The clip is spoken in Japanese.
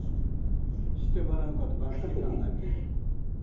してもらうことばっかり考えてるの。